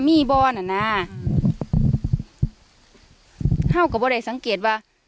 มีบอลน่ะนะเขาก็ไม่ได้สังเกตว่า